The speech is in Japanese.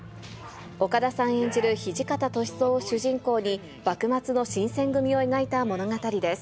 岡田さん演じる土方歳三を主人公に幕末の新選組を描いた物語です。